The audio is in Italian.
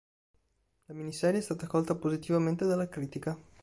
La miniserie è stata accolta positivamente dalla critica.